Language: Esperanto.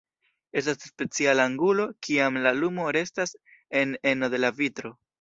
Estas speciala angulo, kiam la lumo restas en eno de la vitro.